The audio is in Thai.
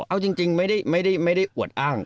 เอาจริงไม่ได้อวดอ้าง